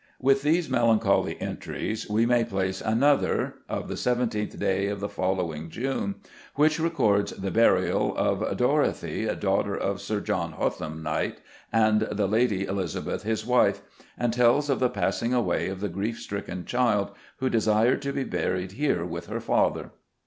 With these melancholy entries we may place another of the seventeenth day of the following June, which records the burial of "Dorathie, daughter of Sir John Hotham, Knt., and the Ladie Elizabeth his wife," and tells of the passing away of the grief stricken child, "who desired to be buried here with her father."